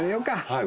はい。